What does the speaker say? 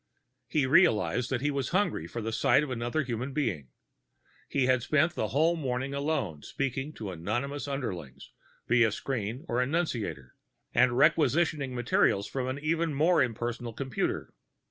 He realized that he was hungry for the sight of another human being. He had spent the whole morning alone, speaking to anonymous underlings via screen or annunciator, and requisitioning material from an even more impersonal computer.